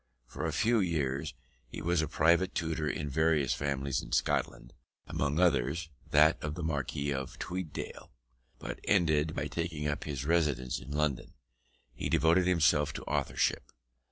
For a few years he was a private tutor in various families in Scotland, among others that of the Marquis of Tweeddale, but ended by taking up his residence in London, and devoting himself to authorship.